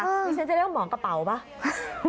ดิฉันจะเรียกว่าหมอกระเป๋าไหม